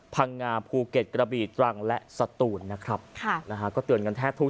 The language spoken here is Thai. พังงาภูเก็ตกระบีตรังและสตูนนะครับค่ะนะฮะก็เตือนกันแทบทุก